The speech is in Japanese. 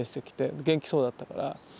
で元気そうだったから。